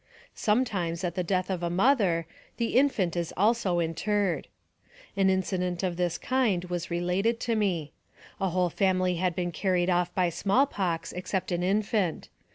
Sometimes, at the death of a mother, the infant is also interred. An incident of this kind was related to me. A whole family had been carried off by small pox ex cept an infant.